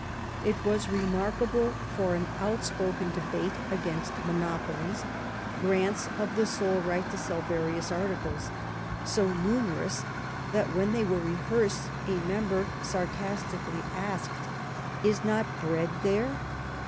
It was remarkable for an outspoken debate against monopolies, grants of the sole right to sell various articles — so numerous that when they were rehearsed a member sarcastically asked :Is not bread there